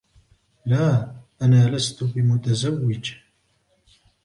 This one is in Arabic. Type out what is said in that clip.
لا، أنا لست بمتزوج.